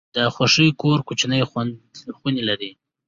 د خوښۍ کور کوچني خونې لري.